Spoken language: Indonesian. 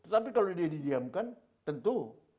tapi kalau dia didiamkan tentu